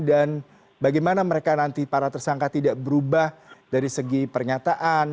dan bagaimana mereka nanti para tersangka tidak berubah dari segi pernyataan